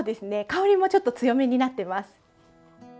香りもちょっと強めになってます。